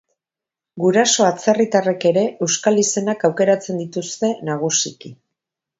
Guraso atzerritarrek ere euskal izenak aukeratzen dituzte nagusiki.